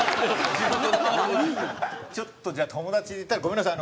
ちょっとじゃあ友達でいったらごめんなさい。